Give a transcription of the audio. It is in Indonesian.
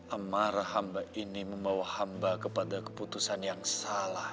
amarah hamba ini membawa hamba kepada keputusan yang salah